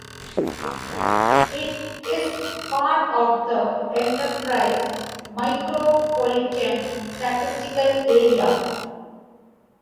It is part of the Enterprise Micropolitan Statistical Area.